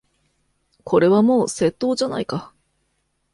これはもう窃盗じゃないか。